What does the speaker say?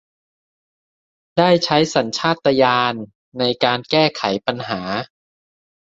ได้ใช้สัญชาตญาณในการแก้ไขปัญหา